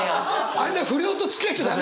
あんな不良とつきあっちゃ駄目！